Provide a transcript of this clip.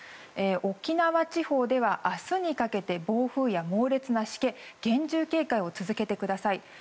沖縄地方では、明日にかけて暴風や猛烈なしけに厳重警戒を続けてください。